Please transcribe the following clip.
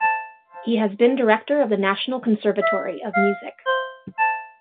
He has been director of the National Conservatory of Music.